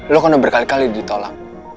lo kena berkali kali ditolak